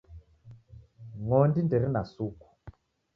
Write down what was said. Ng'ondi nderine suku